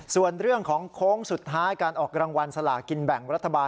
ส่วนเรื่องของโค้งสุดท้ายการออกรางวัลสลากินแบ่งรัฐบาล